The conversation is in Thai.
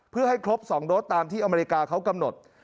เพื่อให้ครบ๒โดสตามที่อเมริกาเขากำหนด